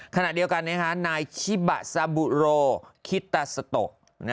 ขณะเดียวกันนะครับนายชิบาซาบูโรคิตาสโตะ